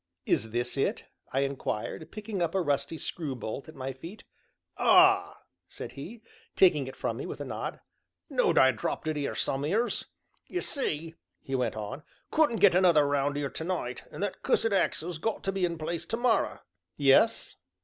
"Is this it?" I inquired, picking up a rusty screw bolt at my feet. "Ah!" said he, taking it from me with a nod, "know'd I dropped it 'ere some'eres. Ye see," he went on, "couldn't get another round 'ere to night, and that cussed axle's got to be in place to morra." "Yes?"